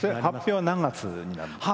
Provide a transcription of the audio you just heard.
発表は何月？